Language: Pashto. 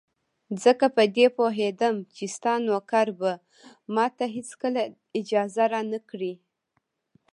ځکه په دې پوهېدم چې ستا نوکر به ماته هېڅکله اجازه را نه کړي.